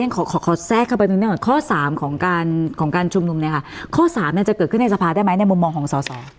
ขอขอแทรกเข้าไปตรงนี้ก่อนข้อ๓ของการของการชุมนุมเนี่ยค่ะข้อ๓จะเกิดขึ้นในสภาได้ไหมในมุมมองของสอสอ